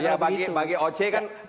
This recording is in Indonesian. ya bagi oce kan